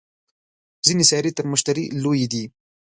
ځینې سیارې تر مشتري لویې دي